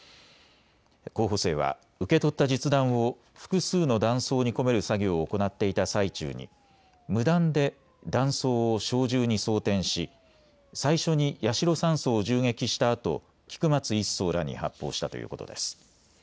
候補生は受け取った実弾を複数の弾倉に込める作業を行っていた最中に無断で弾倉を小銃に装填し最初に八代３曹を銃撃したあと菊松１曹らに発砲したということです。